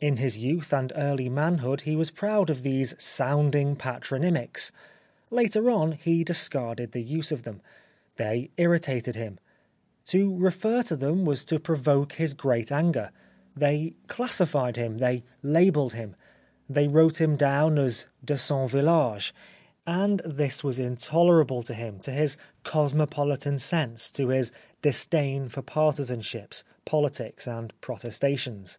In his youth and early manhood he was proud of these sounding patronymics. Later on he discarded the use of them. They irritated him. To refer to them was to pro 85 The Life of Oscar Wilde voke his great anger. They classified him; they labelled him ; they wrote him down as de son village ; and this was intolerable to him, to his cosmopolitan sense, to his disdain for partisanships, politics and protestations.